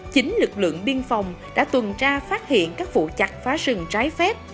chính lực lượng biên phòng đã tuần tra phát hiện các vụ chặt phá rừng trái phép